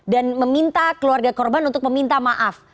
dan meminta keluarga korban untuk meminta maaf